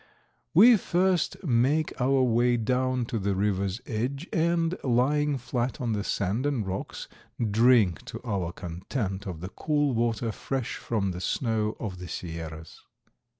We first make our way down to the river's edge and, lying flat on the sand and rocks, drink to our content of the cool water fresh from the snow of the Sierras.